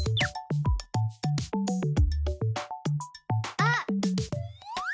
あっ！